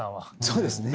そうですね。